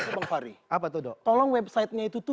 ke bang fahri tolong website nya itu